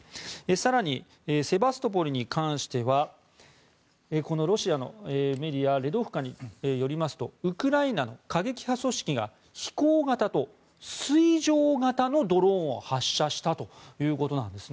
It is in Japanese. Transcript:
更に、セバストポリに関してはロシアのメディアレドフカによりますとウクライナの過激派組織が飛行型と水上型のドローンを発射したということなんです。